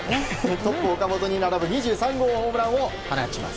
トップ、岡本に並ぶ２３号ホームランを放ちます。